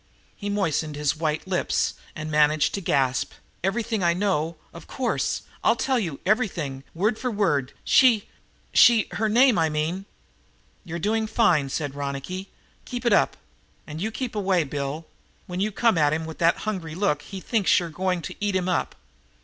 He moistened his white lips and managed to gasp: "Everything I know, of course. Ill tell you everything, word for word. She she her name I mean " "You're doing fine," said Ronicky. "Keep it up, and you keep away, Bill. When you come at him with that hungry look he thinks you're going to eat him up.